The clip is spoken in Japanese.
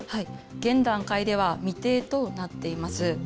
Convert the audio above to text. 現段階では未定となっています。